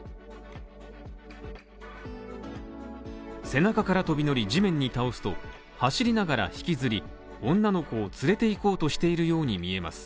背中から飛び乗り地面に倒すと、走りながら引きずり、女の子を連れて行こうとしているように見えます。